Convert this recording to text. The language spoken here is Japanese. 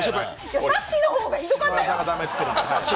さっきの方がひどかったじゃん。